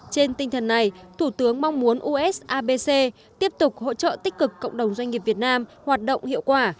trên tinh thần này thủ tướng mong muốn usabc tiếp tục hỗ trợ tích cực cộng đồng doanh nghiệp việt nam hoạt động hiệu quả